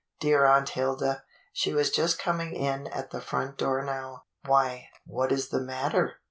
Dear Aunt Hilda, she was just coming in at the front door now. "Why, what is the matter.